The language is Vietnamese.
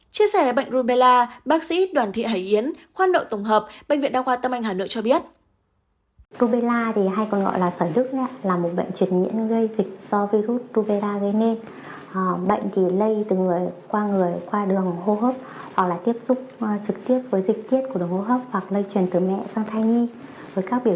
chia sẻ bệnh rubella bác sĩ đoàn thị hải yến khoan nội tổng hợp bệnh viện đa khoa tâm anh hà nội cho biết